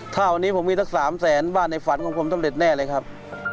ถ้าวันนี้ผมมีสัก๓แสนบ้านในฝันของผมสำเร็จแน่เลยครับ